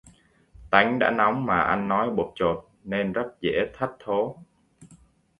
Tánh đã nóng mà ăn nói bộp chộp nên rất dễ thất thố